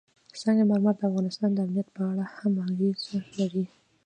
سنگ مرمر د افغانستان د امنیت په اړه هم اغېز لري.